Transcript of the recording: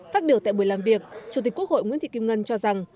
phát biểu tại buổi làm việc chủ tịch quốc hội nguyễn thị kim ngân cho rằng